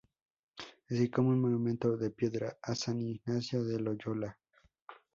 Así como un monumento de piedra a San Ignacio de Loyola.